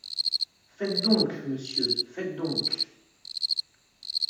Faites donc, monsieur, faites donc !